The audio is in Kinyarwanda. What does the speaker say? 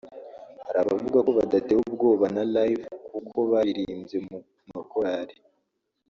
Hari abavuga ko badatewe ubwoba na Live kuko baririmbye mu makorari